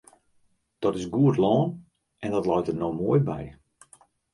Dat is goed lân en dat leit der no moai by.